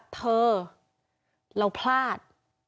เธอเราพลาด